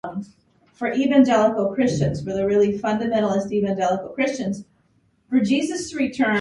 Whether or not these images are legal is debated.